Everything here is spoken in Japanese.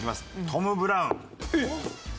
トム・ブラウン。